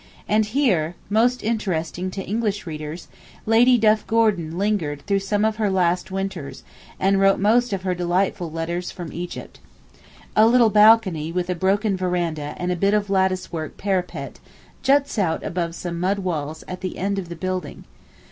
And here, most interesting to English readers, Lady Duff Gordon lingered through some of her last winters, and wrote most of her delightful "Letters from Egypt." A little balcony with a broken veranda and a bit of lattice work parapet, juts out above some mud walls at the end of the building.